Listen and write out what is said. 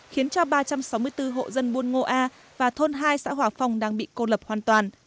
khiến cho ba trăm sáu mươi bốn hộ dân buôn ngô a và thôn hai xã hòa phong đang bị cô lập hoàn toàn